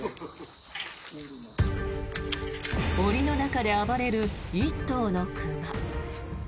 檻の中で暴れる１頭の熊。